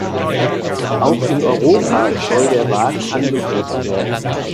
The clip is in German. Auch in Europa soll der Wagen angeboten werden.